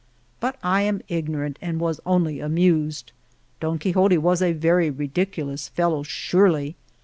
But I am ignorant and was only amused. Don Quixote was a very ridiculous fellow surely